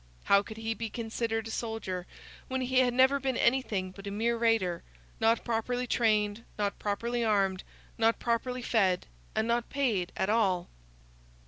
How could he be considered a soldier when he had never been anything but a mere raider, not properly trained, not properly armed, not properly fed, and not paid at all?